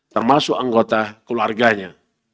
termasuk anggota keluarganya